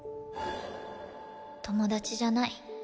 友達じゃない。